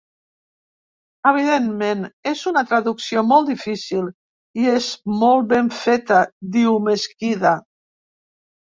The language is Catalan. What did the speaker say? Evidentment és una traducció molt difícil i és molt ben feta –diu Mesquida–.